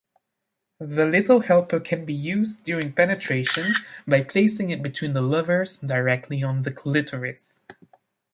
The little helper can be used during penetration, by placing it between the lovers, directly on the clitoris.